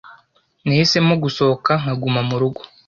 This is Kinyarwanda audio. Nahisemo gusohoka nkaguma murugo.